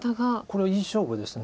これいい勝負です。